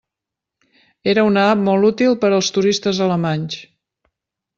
Era una app molt útil per als turistes alemanys.